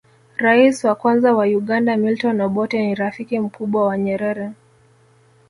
rais wa kwanza wa uganda milton obotte ni rafiki mkubwa wa nyerere